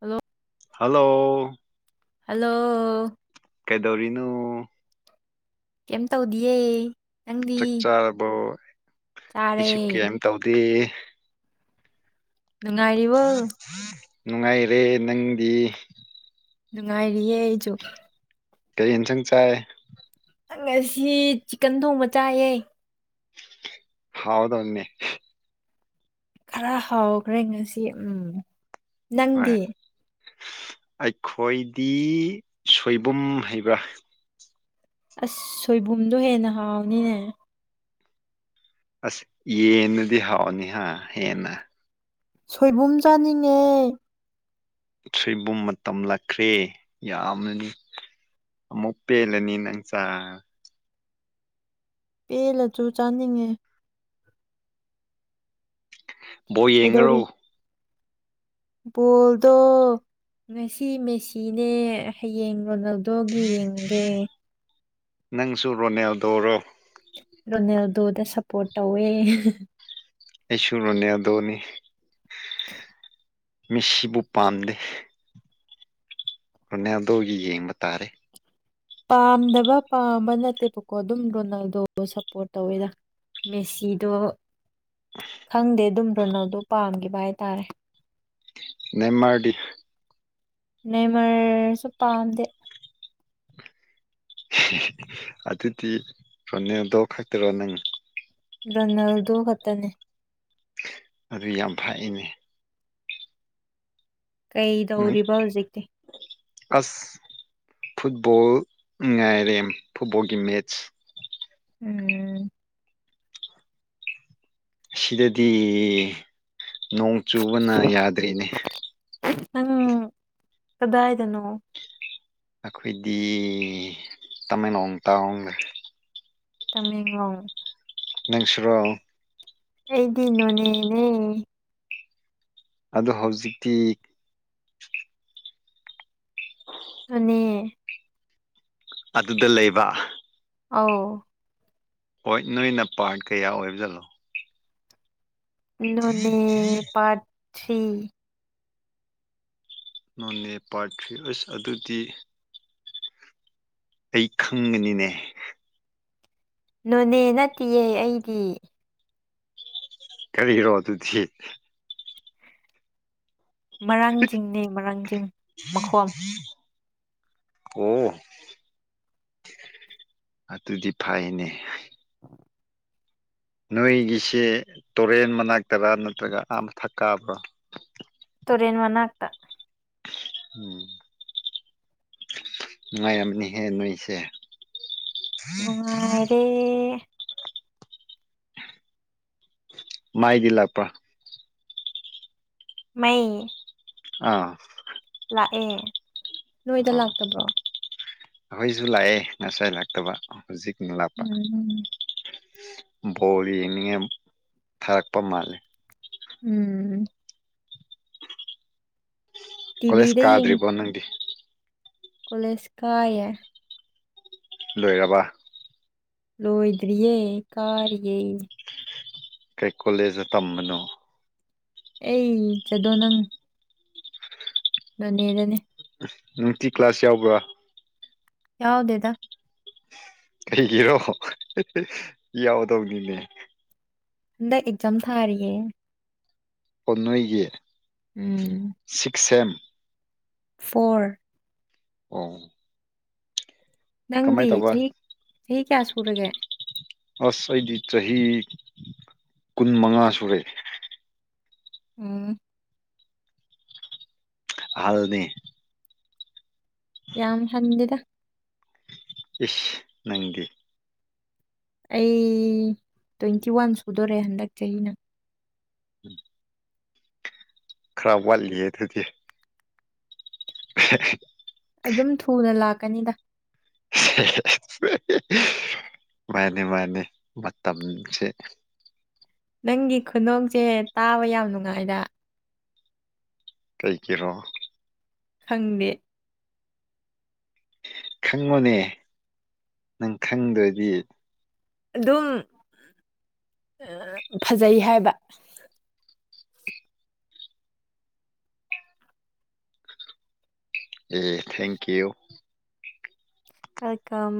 hello hello hello ꯀꯩꯗꯧꯔꯤꯅꯣ ꯀꯩꯝ ꯇꯧꯗꯤꯑꯦ ꯆꯥꯛ ꯆꯥꯔꯕꯣ ꯆꯥꯔꯦ ꯑꯩꯁꯨ ꯀꯌꯥꯝ ꯇꯧꯗꯦ ꯅꯨꯡꯉꯥꯏꯔꯤꯕꯣ ꯅꯨꯡꯉꯥꯏꯔꯦ ꯅꯪꯗꯤ ꯅꯨꯡꯉꯥꯏꯔꯤꯌꯦ ꯑꯩꯁꯨ ꯀꯥꯔꯤ ꯏꯟꯁꯥꯡ ꯆꯥꯏ ꯉꯁꯤ ꯆꯤꯛꯀꯟ ꯊꯣꯡꯕ ꯆꯥꯏꯌꯦ ꯍꯥꯎꯗꯧꯅꯦ ꯈꯔ ꯍꯥꯎꯈ꯭ꯔꯦ ꯉꯁꯤ ꯎꯝ ꯍꯣꯏ ꯅꯪꯗꯤ ꯑꯩꯈꯣꯏꯗꯤ ꯁꯣꯏꯕꯨꯝ ꯍꯩꯕ꯭ꯔꯥ ꯑꯁ ꯁꯣꯏꯕꯨꯝꯗꯣ ꯍꯦꯟꯅ ꯍꯥꯎꯅꯤꯅꯦ ꯑꯁ ꯌꯦꯟꯅꯗꯤ ꯍꯥꯎꯅꯤ ꯍꯥ ꯍꯦꯟꯅ ꯁꯣꯏꯕꯨꯝ ꯆꯥꯅꯤꯡꯉꯦ ꯁꯣꯏꯕꯨꯝ ꯃꯇꯝꯂꯛꯈ꯭ꯔꯦ ꯌꯥꯝꯅꯅꯤ ꯑꯃꯨꯛ ꯄꯦꯜꯂꯅꯤ ꯅꯪ ꯆꯥ ꯄꯦꯜꯂꯁꯨ ꯆꯥꯅꯤꯡꯉꯦ ꯕꯣꯜ ꯀꯩꯗꯧꯔꯤ ꯌꯦꯡꯉꯥꯔꯣ ꯕꯣꯜꯗꯣ ꯉꯁꯤ ꯃꯦꯁꯤꯅꯦ ꯍꯌꯦꯡ ꯔꯣꯅꯜ ꯗꯣꯒꯤ ꯌꯦꯡꯉꯥꯒꯦ ꯅꯪꯁꯨ ꯔꯣꯅꯜꯗꯣꯔꯣ ꯔꯣꯅꯜꯗꯣꯗ ꯁꯄꯣꯔꯠ ꯇꯧꯋꯦ ꯑꯩꯁꯨ ꯔꯣꯅꯜꯗꯣꯅꯤ ꯃꯦꯁꯤꯕꯨ ꯄꯥꯝꯗꯦ ꯔꯣꯅꯜꯗꯣꯒꯤ ꯌꯦꯡꯕ ꯇꯥꯔꯦ ꯄꯥꯝꯗꯕ ꯄꯥꯝꯕ ꯅꯠꯇꯦꯕꯀꯣ ꯑꯗꯨꯝ ꯔꯣꯅꯥꯜꯗꯣ ꯁꯄꯣꯔꯠ ꯇꯧꯋꯦꯗ ꯃꯦꯁꯤꯗꯣ ꯈꯪꯗꯦ ꯑꯗꯨꯝ ꯔꯣꯅꯜꯗꯨꯣ ꯄꯥꯝꯈꯤꯕ ꯍꯥꯏꯇꯥꯔꯦ ꯅꯦꯃꯥꯔꯗꯤ ꯅꯦꯃꯥꯔꯁꯨ ꯄꯥꯝꯗꯦ ꯑꯗꯨꯗꯤ ꯔꯣꯅꯜꯗꯣ ꯈꯛꯇꯔꯣ ꯅꯪ ꯔꯣꯅꯥꯜꯗꯣ ꯈꯛꯇꯅꯦ ꯑꯗꯨꯨ ꯌꯥꯝ ꯐꯥꯏꯅꯦ ꯅꯪ ꯀꯩꯗꯧꯔꯤꯕ ꯍꯧꯖꯤꯛꯇꯤ ꯑꯁ ꯐꯨꯠꯕꯣꯜ ꯉꯥꯏꯔꯦꯝ ꯐꯨꯠꯕꯣꯜꯒꯤ ꯃꯦꯠꯆ ꯎꯝ ꯁꯤꯗꯗꯤ ꯅꯣꯡ ꯆꯨꯕꯅ ꯌꯥꯗ꯭ꯔꯤꯅꯦ ꯅꯪ ꯀꯗꯥꯏꯗꯥꯅꯣ ꯑꯩꯈꯣꯏꯗꯤ ꯇꯥꯃꯦꯡꯂꯣꯡ ꯇꯥꯎ ꯇꯥꯃꯦꯡꯂꯣꯡ ꯅꯪꯁꯨꯔꯣ ꯑꯩꯗꯤ ꯅꯣꯅꯦꯅꯦ ꯑꯗꯣ ꯍꯧꯖꯤꯛꯇꯤ ꯑꯗꯨꯅꯤ ꯑꯗꯨꯗ ꯂꯩꯕ ꯑ ꯍꯣꯏ ꯅꯣꯏꯅ ꯄꯥꯔꯠ ꯀꯌꯥ ꯑꯣꯏꯕꯖꯠꯂꯣ ꯏꯣꯅꯦ ꯄꯥ ꯊꯔꯤ ꯅꯣꯅꯦ ꯄꯥꯔ ꯊ꯭ꯔꯤ ꯑꯁ ꯑꯗꯨꯗꯤ ꯑꯩ ꯈꯪꯕꯅꯤꯅꯦ ꯅꯨꯅꯦ ꯅꯠꯇꯦꯌꯦ ꯑꯩꯗꯤ ꯀꯔꯤꯒꯤꯔꯣ ꯑꯗꯨ ꯊ ꯃꯔꯥꯡꯖꯤꯡꯅꯦ ꯃꯔꯥꯡꯖꯤꯡ ꯃꯈꯣꯝ ꯑꯣ ꯑ ꯑꯗꯨꯗꯤ ꯐꯥꯏꯅꯦ ꯑ ꯅꯣꯏꯒꯤꯁꯤ ꯇꯣꯔꯦꯟ ꯃꯅꯥꯛꯇꯔꯥ ꯅꯠꯇ꯭ꯔꯒ ꯑꯥ ꯑꯃ ꯊꯛꯀꯥꯕ꯭ꯔꯥ ꯇꯧꯣꯔꯦꯟ ꯃꯅꯥ ꯑꯥꯛꯇ ꯎꯝ ꯅꯨꯡꯉꯥꯏꯔꯝꯅꯤꯍꯦ ꯅꯣꯏꯁꯦ ꯅꯨꯡꯉꯥꯏꯔꯦ ꯃꯥꯏꯒꯤ ꯂꯥꯛꯄ ꯃꯩ ꯑꯥ ꯂꯥꯛꯑꯦ ꯅꯣꯏꯗ ꯑꯣ ꯂꯥꯛꯇꯕ꯭ꯔꯣ ꯑꯩꯈꯣꯏꯁꯨ ꯂꯥꯛꯑꯦ ꯉꯁꯥꯏ ꯂꯥꯛꯇꯕ ꯍꯧꯖꯤꯛꯅ ꯂꯥꯞꯄ ꯎꯝ ꯕꯥꯜꯂ ꯌꯡꯅꯤꯉꯏ ꯐꯔꯛꯄ ꯃꯥꯂꯦ ꯎꯝ ꯀꯣꯂꯦꯖ ꯀꯥꯗ꯭ꯔꯤꯕꯣ ꯅꯪꯗꯤ ꯀꯣꯂꯁꯀꯥꯌꯦ ꯂꯣꯏꯔꯕ ꯂꯣꯏꯣꯌꯗꯔꯤꯌꯦ ꯀꯥꯔꯤꯌꯦ ꯀꯩ ꯀꯣꯂꯦꯖꯇ ꯇꯝꯕꯅꯣ ꯑꯩ ꯆꯗꯣ ꯅꯪ ꯅꯣꯅꯦꯗꯅꯦ ꯅꯨꯡꯇꯤ ꯀ꯭ꯂꯥꯁ ꯌꯥꯎꯕ꯭ꯔꯥ ꯌꯥꯎꯗꯦꯗ ꯀꯩꯒꯤꯔꯣ ꯌꯥꯎꯗꯕꯅꯤꯅꯦ ꯍꯟꯗ ꯑꯦꯛꯖꯥꯝ ꯊꯥꯔꯤꯌꯦ ꯄꯣꯟꯅꯣꯏꯒꯤ ꯎꯝ ꯁꯤꯛꯁꯦꯝ ꯐꯣꯔ ꯑꯣ ꯀꯃꯥꯏꯅ ꯅꯪꯗꯤ ꯇꯧꯕ ꯆꯍꯤ ꯆꯍꯤ ꯀꯌꯥ ꯁꯨꯔꯒꯦ ꯑꯁ ꯑꯩꯗꯤ ꯆꯍꯤ ꯀꯨꯟ ꯃꯉꯥ ꯁꯨꯔꯦ ꯎꯝ ꯑꯍꯜꯅꯦ ꯌꯥꯝ ꯍꯟꯗꯦꯗ ꯏꯁ ꯅꯪꯗꯤ ꯑꯩ ꯇ꯭ꯋꯦꯟꯇꯤ ꯋꯥꯟ ꯁꯨꯗꯣꯔꯦ ꯍꯟꯗꯛ ꯆꯍꯤꯅ ꯎꯝ ꯈꯔ ꯋꯥꯠꯂꯤ ꯑꯗꯨꯗꯤ [inaudible] ꯑꯗꯨꯝ ꯊꯨꯅ ꯂꯥꯛꯀꯅꯤꯗ ꯃꯥꯅꯦ ꯃꯥꯅꯦ ꯃꯇꯝꯁꯦ ꯅꯪꯒꯤ ꯈꯨꯅꫭꯛꯁꯦ ꯇꯥꯕ ꯌꯥꯝ ꯅꯨꯡꯉꯥꯏꯗ ꯀꯩ ꯒꯤꯔꯣ ꯈꯪꯗꯦ ꯈꯪꯉꯣꯅꯦ ꯅꯪ ꯈꯪꯗ꯭ꯔꯗꯤ ꯑꯗꯨꯝ ꯐꯖꯩ ꯍꯥꯏꯕ ꯑꯦ ꯊꯦꯡꯀ꯭ꯌꯨ ꯑ ꯀꯝ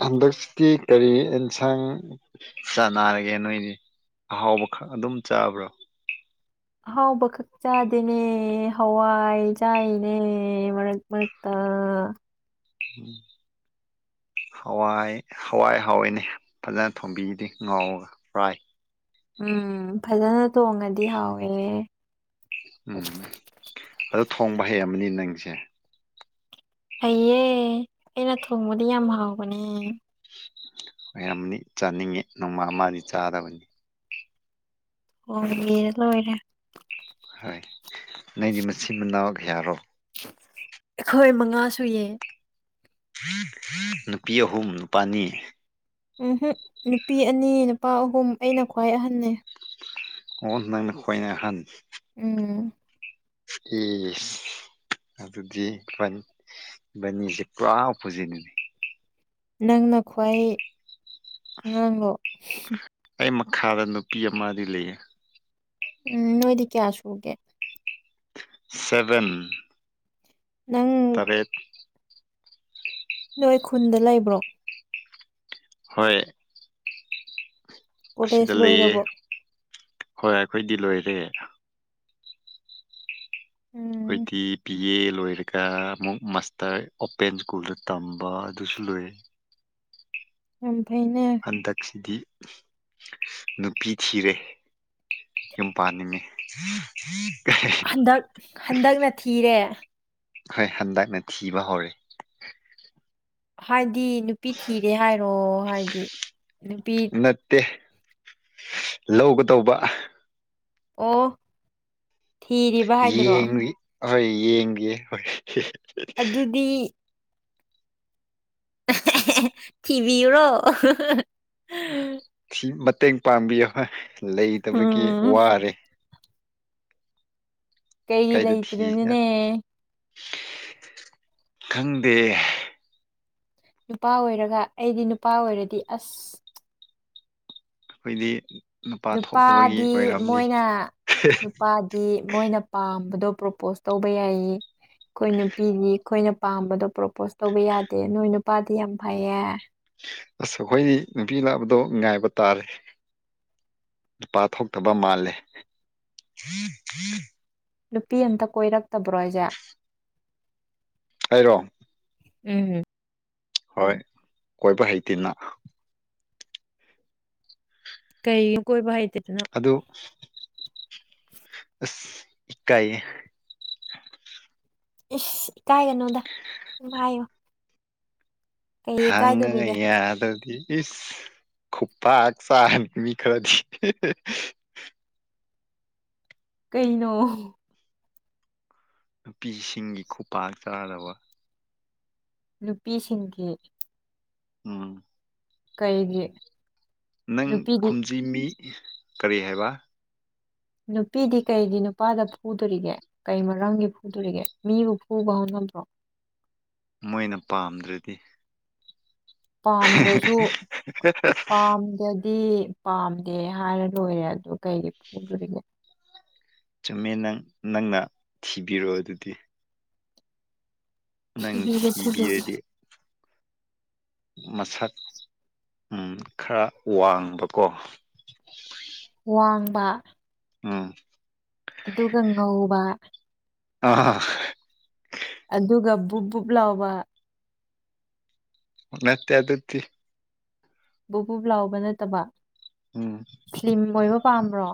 ꯍꯟꯗꯛꯁꯤꯀꯤ ꯀꯔꯤ ꯑꯦꯟꯁꯥꯡ ꯆꯥꯅꯥꯔꯒꯦ ꯅꯣꯏꯗꯤ ꯑꯍꯥꯎꯕ ꯈꯛ ꯑꯗꯨꯝ ꯆꯥꯕ꯭ꯔꯣ ꯑꯍꯥꯎꯕ ꯈꯛ ꯆꯥꯗꯦꯅꯦ ꯍꯋꯥꯏ ꯆꯥꯏꯅꯦ ꯃꯔꯛ ꯃꯔꯛꯇꯥ ꯎꯝ ꯍꯋꯥꯏ ꯍꯋꯥꯏ ꯍꯥꯎꯋꯏꯅꯦ ꯐꯖꯅ ꯊꯣꯡꯕꯤꯗꯤ ꯉꯥꯎꯔꯒ ꯐ꯭ꯔꯥꯏ ꯎꯝ ꯐꯖꯅꯥ ꯇꯣꯡꯉꯗꯤ ꯍꯥꯎꯋꯦ ꯎꯝ ꯑꯗꯨ ꯊꯣꯡꯕ ꯍꯩ ꯑꯃꯅꯤ ꯅꯪꯁꯦ ꯍꯌꯦ ꯑꯩꯅ ꯊꯣꯡꯕꯗꯤ ꯌꯥꯝ ꯍꯥꯎꯕꯅꯦ ꯑꯣꯏꯔꯝꯅꯤ ꯆꯥꯅꯤꯡꯉꯦ ꯅꯣꯡꯃ ꯑꯃꯗꯤ ꯆꯥꯗꯕꯅꯤ ꯑꯣ ꯌꯦꯔ ꯂꯣꯏꯔꯦ ꯍꯣꯏ ꯅꯪꯗꯤ ꯃꯆꯤꯟ ꯃꯅꯥꯎ ꯀꯌꯥꯔꯣ ꯑꯩꯈꯣꯏ ꯃꯉꯥ ꯁꯨꯌꯦ ꯅꯨꯄꯤ ꯑꯍꯨꯝ ꯅꯨꯄꯥꯅꯤ ꯎꯝꯍꯨꯝ ꯅꯨꯄꯤ ꯑꯅꯤ ꯅꯨꯄꯥ ꯑꯍꯨꯝ ꯑꯩꯅ ꯈ꯭ꯋꯥꯏ ꯑꯍꯟꯅꯦ ꯑꯣ ꯅꯪꯅ ꯈꯣꯏꯅ ꯑꯍꯟ ꯎꯝ ꯏꯁ ꯑꯗꯨꯗꯤ ꯏꯕꯅꯤ ꯏꯕꯥꯅꯤꯁꯦ ꯄꯨꯔꯥ ꯑꯣꯄꯣꯖꯤꯠꯅꯤꯅꯦ ꯅꯪꯅ ꯈ꯭ꯋꯥꯏ ꯉꯥꯡꯂꯣ ꯑꯩ ꯃꯈꯥꯗ ꯅꯨꯄꯤ ꯑꯃꯗꯤ ꯂꯩꯌꯦ ꯎꯝ ꯅꯣꯏꯗꯤ ꯀꯌꯥ ꯁꯨꯒꯦ ꯁꯦꯕꯦꯟ ꯅꯪ ꯇꯔꯦꯠ ꯅꯣꯏ ꯈꯨꯟꯗ ꯂꯩꯕ꯭ꯔꯣ ꯍꯣꯏ ꯀꯣꯂꯦꯖ ꯑꯁꯤꯗ ꯂꯩꯌꯦ ꯂꯣꯏꯔꯕꫭ ꯍꯣꯏ ꯑꯩꯈꯣꯏꯗꯤ ꯂꯣꯏꯔꯦ ꯎꯝ ꯑꯩꯈꯣꯏꯗꯤꯤ ꯄꯤ ꯌꯦ ꯂꯣꯏꯔꯒ ꯑꯃꯨꯛ ꯃꯥꯁꯇꯔ ꯑꯣꯄꯦꯟ ꯁ꯭ꯀꯨꯜꯗ ꯇꯝꯕ ꯑꯗꯨꯁꯨ ꯂꯣꯏ ꯎꯝ ꯍꯟꯗꯛꯁꯤꯗꯤ ꯅꯨꯄꯤ ꯊꯤꯔꯦ ꯌꯨꯝ ꯄꯥꯅꯤꯡꯉꯦ ꯍꯟꯗꯛ ꯍꯟꯗꯛꯅꯤ ꯊꯤꯔꯦ ꯍꯣꯏ ꯍꯟꯗꯛꯅ ꯊꯤꯕ ꯍꯧꯔꯦ ꯍꯥꯏ ꯗꯤ ꯅꯨꯄꯤ ꯊꯤꯔꯦ ꯍꯥꯏꯔꯣ ꯍꯥꯏꯗꯤ ꯅꯨꯄꯤ ꯂꯧꯒ‌ꯦ ꯇꯧꯕ ꯑꯣ ꯊꯤꯔꯤꯕ ꯍꯥꯏꯗꯔꯣ ꯑꯍꯣꯏ ꯌꯦꯡꯒꯦ ꯍꯣꯏ [inaudible] ꯑꯗꯨꯗꯤ ꯊꯤꯕꯤꯌꯨꯔꯣ ꯊꯤ ꯃꯇꯦꯡ ꯄꯥꯡꯕꯤꯌꯣꯣꯏ ꯂꯩꯇꯕꯒꯤ ꯎꯝ ꯋꯥꯔꯦ ꯀꯩ ꯀꯥꯏꯗ ꯊꯤꯁꯤꯅ ꯂꯩꯇ꯭ꯔꯤꯅꯤꯅꯦ ꯈꯪꯗꯦ ꯅꯨꯄꯥ ꯑꯣꯏꯔꯒ ꯑꯩꯗꯤ ꯅꯨꯄꯥ ꯑꯣꯏꯔꯗꯤ ꯑꯁ ꯑꯩꯈꯣꯏꯗꯤ ꯅꯨꯄꯥ ꯊꯣꯛꯇꯕꯒꯤ ꯅꯨꯄꯥꯗꯤ ꯑꯣꯏꯔꯝꯅꯤ ꯃꯣꯏꯅ ꯅꯨꯄꯥꯗꯤ ꯃꯣꯏꯅ ꯄꯥꯝꯃꯦ ꯑꯗꯣ ꯄ꯭ꯔꯣꯄꯣꯁ ꯇꯧꯕ ꯌꯥꯏꯌꯦ ꯑꯩꯈꯣꯏ ꯅꯨꯄꯤꯗꯤ ꯑꯩꯈꯣꯏꯅ ꯄꯥꯝꯕꯗꯣ ꯄ꯭ꯔꯣꯄꯣꯁ ꯇꯧꯕ ꯌꯥꯗꯦ ꯅꯣꯏ ꯅꯨꯄꯥꯗꯤ ꯌꯥꯝ ꯐꯩꯌꯦ ꯑꯁ ꯑꯩꯈꯣꯏꯗꯤ ꯅꯨꯄꯤ ꯂꯥꯛꯕꯗꯣ ꯉ ꯉꯥꯏꯕ ꯇꯥꯔꯦ ꯅꯨꯄꯥ ꯊꯣꯛꯇꯕ ꯃꯥꯜꯂꯦ ꯅꯨꯄꯤ ꯑꯃꯝꯇ ꯀꯣꯏꯔꯛꯇꯕ꯭ꯔꯣ ꯑꯩꯁꯦ ꯍꯥꯏꯔꯣ ꯎꯝꯝ ꯍꯣꯏ ꯀꯣꯏꯕ ꯍꯩꯇꯅ ꯀꯩ ꯀꯣꯏꯥꯏ ꯑꯗꯨ ꯑꯁ ꯏ ꯀꯥꯏ ꯏꯁ ꯀꯥꯏꯒꯅꯣꯗ ꯍꯥꯏꯣ ꯍꯪ ꯌꯦꯗꯗꯤ ꯏꯁ ꯈꯨ ꯐꯥꯛ ꯆ ꯃꯤꯃꯤ ꯈꯔꯗꯤ ꯀꯩꯅꯣ ꯅꯨꯄꯤꯁꯤꯡꯒꯤ ꯈꯨꯄꯥꯛꯥꯛ ꯆꯥꯗꯕ ꯅꯨꯄꯤꯁꯤꯡꯒꯤ ꯎꯝ ꯀꯩꯒꯤ ꯅꯪ ꯅꯨꯄꯤꯗꯤ ꯈꯨꯝꯖꯤꯃꯤ ꯀꯔꯤ ꯍꯥꯏꯕ ꯅꯨꯄꯤꯗꯤ ꯀꯩꯗꯤ ꯅꯨꯄꯥꯗ ꯐꯨꯗꯣꯔꯤꯒꯦ ꯀꯩ ꯃꯔꯝꯒꯤ ꯐꯨꯗꯣꯔꯤꯒꯦ ꯃꯤꯕꯨ ꯐꯨꯕ ꯍꯧꯣꯠꯅꯕ꯭ꯔꯣ ꯃꯣꯏꯅ ꯄꯥꯝꯗ꯭ꯔꯗꯤ ꯄꯥꯝꯗ꯭ꯔꯁꯨ ꯄꯥꯝꯗꯗꯤ ꯄꯥꯝꯗꯦ ꯍꯥꯏꯔ ꯂꯣꯏꯔꯦ ꯑꯗꯨ ꯀꯩ ꯐꯣꯡꯗꯣꯔꯤꯒꯦ ꯆꯨꯝꯃꯦ ꯅꯪ ꯅꯪꯅ ꯊꯤꯕꯤꯔꯛꯑꯣ ꯑꯗꯨꯗꯤ ꯊꯤꯕꯤꯒꯦ ꯊꯤꯕꯤꯒꯦ ꯅꯪꯤꯕꯗꯤꯦ ꯃꯁꯛ ꯈꯔ ꯋꯥꯡꯕꯀꯣ ꯋꯥꯟ ꯃꯥ ꯑꯥ ꯉꯧꯕ ꯑ ꯑꯗꯨꯒ ꯕꯨ ꯕꯨꯨꯞ ꯂꯥꯎꯕ ꯅꯠꯇꯦ ꯑ ꯑꯗꯨꯗꯤ ꯕꯄꯞ ꯂꯥꯎꯕ ꯅꯠꯇꯕ ꯎꯝ ꯁ꯭ꯂꯤꯝ ꯑꯣꯏꯕ ꯄꯥꯝꯕ꯭ꯔꯣ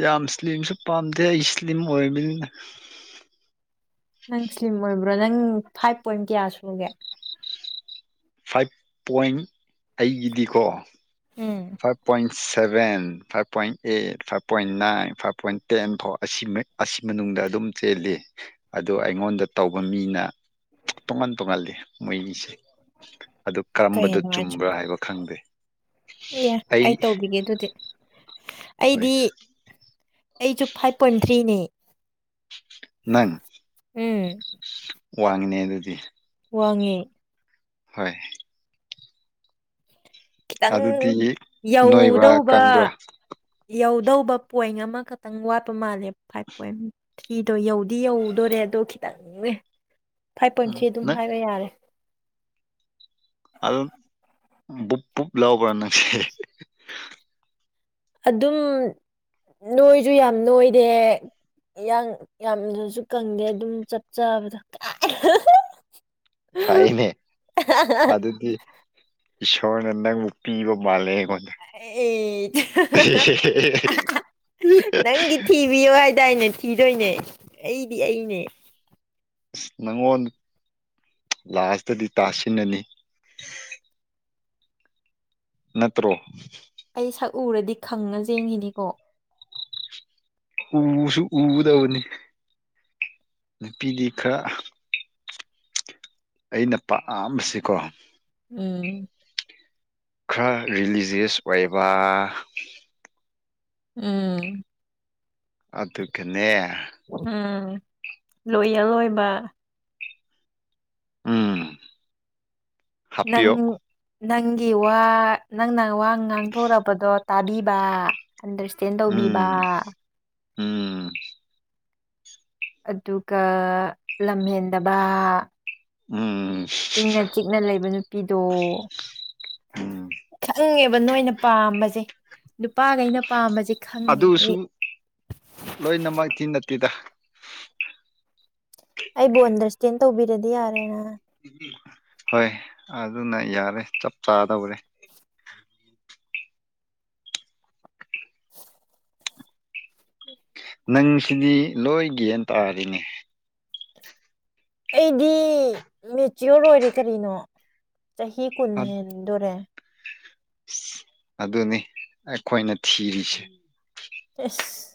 ꯌꯥꯝ ꯏꯁ꯭ꯂꯤꯝꯁꯨ ꯄꯥꯝꯗꯦ ꯑꯩ ꯏꯁ꯭ꯂꯤꯝ ꯑꯣꯏꯕꯅꯤꯅ ꯅꯪ ꯁ꯭ꯂꯤꯝ ꯑꯣꯏꯕ꯭ꯔꯣ ꯅꯪ ꯐꯥꯏꯚ ꯄꯣꯏꯟ ꯀꯌꯥ ꯁꯨꯒꯦ ꯐꯥꯏꯚ ꯄꯣꯏꯟ ꯑꯩꯒꯤꯗꯤꯀꯣ um five point seven five point eight five point nine five point ten ꯐꯥꯎ ꯑꯁꯤ ꯑꯁꯤ ꯃꯅꯨꯡꯗ ꯑꯗꯨꯝ ꯆꯦꯜꯂꯤ ꯑꯗꯣ ꯑꯩꯉꯣꯟꯗ ꯇꯧꯕ ꯃꯤꯅ ꯇꯣꯉꯥꯟ ꯇꯣꯡꯍꯜꯂꯤ ꯃꯣꯏꯒꯤꯁꯦ ꯑꯗꯨ ꯀꯔꯝꯕꯗ ꯀꯔꯤꯅꯣ ꯍꯥꯏꯁꯦ ꯆꯨꯝꯕ꯭ꯔꯥ ꯍꯥꯏꯕ ꯈꯪꯗꯦ ꯑꯦ ꯑꯩ ꯇꯧꯕꯤꯒꯦ ꯑꯗꯨꯗꯤ ꯍꯣꯏ ꯑꯩꯗꯤ ꯑꯩꯁꯨ ꯐꯥꯏꯚ ꯄꯣꯏꯟ ꯊ꯭ꯔꯤꯅꯦ ꯅꯪ ꯍ ꯋꯥꯉꯅꯦ ꯑꯗꯨꯗꯤ ꯋꯥꯡꯉꯦ ꯍꯣꯏ ꯈꯤꯇꯪ ꯑꯗꯨꯗꯤ ꯅꯣꯏꯕ꯭ꯔꯥ ꯌꯧꯗꯧꯕ ꯀꯪꯕ꯭ꯔꯥ ꯌ ꯑꯗꯧꯕ ꯄꯣꯏꯟ ꯑꯃꯈꯛꯇꯪ ꯋꯥꯠꯄ ꯃꯥꯜꯂꯦ ꯐꯥꯏꯚ ꯄꯣꯏꯟ ꯊ꯭ꯔꯤꯗꯣ ꯌꯧꯗꯤ ꯌꯧꯗꯣꯔꯦ ꯑꯗꯣ ꯈꯤꯇꯪꯅꯦ ꯐꯥꯏꯚ ꯄꯣꯏꯟ ꯎꯝ ꯊ꯭ꯔꯤ ꯑꯗꯨꯝ ꯅꯪ ꯍꯥꯏꯕ ꯌꯥꯔꯦ ꯑꯗꯨ ꯨꯞ ꯞ ꯂꯕ ꯄꯔꯅꯁꯤ ꯑꯗꯨꯝ ꯅꯣꯏꯁꯨ ꯌꯥꯝ ꯅꯣꯏꯗꯦ ꯌꯥꯝꯅꯁꯨ ꯀꯪꯗꯦ ꯑꯗꯨꯝ ꯆꯞ ꯆꯥꯕꯗ ꯐꯥꯏꯅꯦ ꯑꯗꯨꯗꯤ ꯏꯁꯣꯔꯅ ꯅꯪꯕꯨ ꯄꯤꯕ ꯃꯥꯜꯂꯦ ꯑꯩꯉꯣꯟꯗ ꯑꯩ ꯅꯪꯒꯤ ꯊꯤꯕꯤꯕ ꯀꯗꯥꯏꯅꯦ ꯊꯤꯗꯣꯏꯅꯦ ꯑꯩꯗꯤ ꯑꯩꯅꯦ ꯑꯁ ꯅꯪꯉꯣꯟ ꯂꯥꯁꯇꯗꯤ ꯇꯥꯁꯤꯟꯅꯅꯤ ꯅꯠꯇ꯭ꯔꯣ ꯑꯩ ꯁꯛ ꯎꯔꯗꯤ ꯈꯪꯉ ꯌꯦꯡꯈꯤꯅꯤꯀꯣ ꯎꯁꯨ ꯎꯗꯕꯅꯤ ꯅꯨꯄꯤꯗꯤ ꯈꯔ ꯑꯩꯅ ꯄꯥꯝꯕꯁꯤꯀꯣ ꯎꯝ ꯈꯔ ꯔꯤꯂꯤꯖꯤꯁ ꯑꯣꯏꯕ ꯎꯝ ꯑꯗꯨꯒꯅꯦ ꯎꯝ ꯂꯣꯏꯌꯦ ꯂꯣꯏꯕ ꯎꯝ ꯅꯪ ꯍꯥꯞꯄꯤꯌꯣ ꯅꯪꯒꯤ ꯋꯥ ꯅꯪ ꯅ ꯋꯥ ꯉꯥꯡꯊꯣꯔꯔꯕꯗꯣ ꯇꯥꯕꯤꯕ ꯑꯟꯗꯔꯁ꯭ꯇꯦꯟ ꯇꯧꯕꯤꯕ ꯎꯝ ꯎꯝ ꯑꯗꯨꯒ ꯂꯝꯍꯦꯟꯗꯕ ꯎꯝ ꯏꯪꯅ ꯆꯤꯛꯅ ꯂꯩꯕ ꯅꯨꯄꯤꯗꯣ ꯎꯝ ꯈꯪꯉꯦꯕ ꯅꯣꯏꯅ ꯄꯥꯝꯕꯁꯦ ꯅꯨꯄꯥꯈꯩꯅ ꯄꯥꯝꯕꯁꯦ ꯈꯪꯉꯦꯕ ꯑꯗꯨꯁꯨ ꯑꯩ ꯂꯣꯏꯅꯃꯛꯀꯤ ꯅꯠꯇꯦꯗ ꯑꯩꯕꯨ ꯑꯟꯗꯔꯁ꯭ꯇꯦꯟ ꯇꯧꯕꯤꯔꯗꯤ ꯌꯥꯔꯦꯅ ꯍꯣꯏ ꯑꯗꯨꯅ ꯌꯥꯔꯦ ꯆꯞ ꯆꯥꯗꯧꯔꯦ ꯅꯪꯁꯤꯗꯤ ꯂꯣꯏꯒꯥꯟ ꯇꯥꯔꯤꯅꯦ ꯑꯩꯗꯤ ꯃꯦꯆꯤꯌꯣꯔ ꯑꯣꯏꯔꯦ ꯀꯔꯤꯅꯣ ꯆꯍꯤ ꯀꯨꯟ ꯍꯦꯟꯗꯨꯔꯦ ꯑꯗꯨꯅꯤ ꯑꯩꯈꯣꯏꯅ ꯊꯤꯔꯤꯁꯦ ꯑꯁ